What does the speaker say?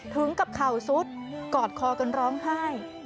ถึงกับเข่าซุดกอดคอกันร้องไห้